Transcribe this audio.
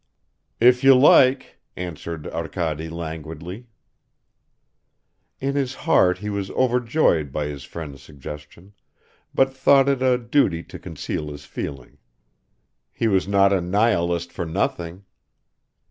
"If you like," answered Arkady languidly. In his heart he was overjoyed by his friend's suggestion, but thought it a duty to conceal his feeling. He was not a nihilist for nothing!